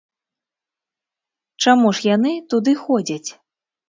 Чаму ж яны туды ходзяць?